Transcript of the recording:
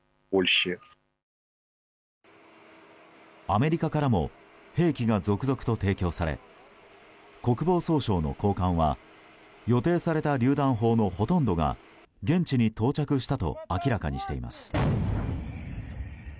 アメリカからも兵器が続々と提供され国防総省の高官は予定されたりゅう弾砲のほとんどが現地に到着したと明らかにしています。